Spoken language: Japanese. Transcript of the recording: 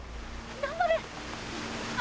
頑張れ。